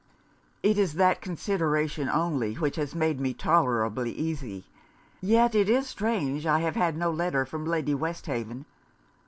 'It is that consideration only which has made me tolerably easy. Yet it is strange I have no letter from Lady Westhaven.